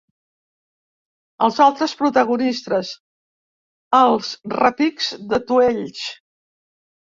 Els altres protagonistes: els repics d’atuells.